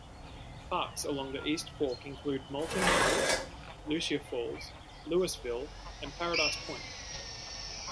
Parks along the East Fork include Moulton Falls, Lucia Falls, Lewisville, and Paradise Point.